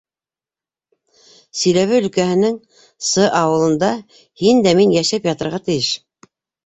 Силәбе өлкәһенең С. ауылында һин дә мин йәшәп ятырға тейеш.